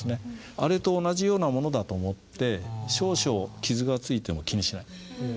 あれと同じようなものだと思って少々傷がついても気にしない。